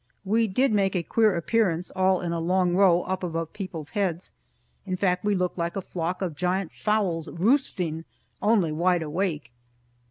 We did make a queer appearance all in a long row, up above people's heads. In fact, we looked like a flock of giant fowls roosting, only wide awake.